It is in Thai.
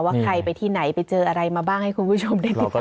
ว่าใครไปที่ไหนไปเจออะไรมาบ้างให้คุณผู้ชมได้ติดตาม